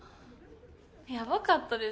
やばかったです。